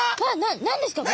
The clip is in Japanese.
何ですか？